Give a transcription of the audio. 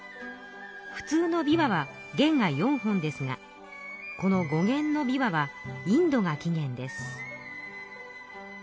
ふつうの琵琶は弦が４本ですがこの五弦の琵琶はインドが起源です。